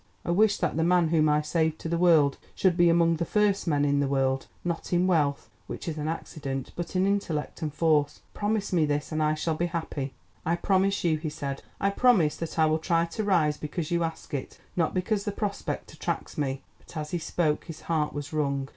I wish that the man whom I saved to the world should be among the first men in the world, not in wealth, which is an accident, but in intellect and force. Promise me this and I shall be happy." "I promise you," he said, "I promise that I will try to rise because you ask it, not because the prospect attracts me; but as he spoke his heart was wrung.